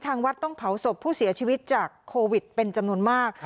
ทางวัดต้องเผาศพผู้เสียชีวิตจากโควิดเป็นจำนวนมาก